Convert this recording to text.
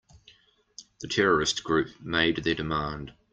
The terrorist group made their demand.